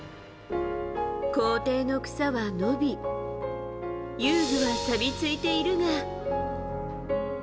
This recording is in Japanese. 校庭の草は伸び遊具はさびついているが。